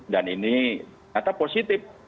dan ini data positif